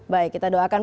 baik kita doakan